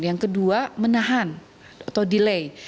yang kedua menahan atau delay